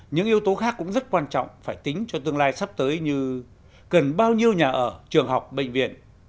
những yếu tố khác cũng rất quan trọng phải tính cho tương lai sắp tới như cần bao nhiêu nhà ở trường học bệnh viện